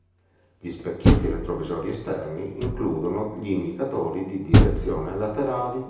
Gli specchietti retrovisori esterni includono gli indicatori di direzione laterali.